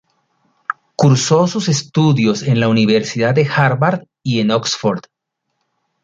Cursó sus estudios en la Universidad de Harvard y en Oxford.